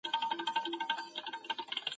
په سرمایه دارۍ کي یوازې شخصي ګټه مهمه وي.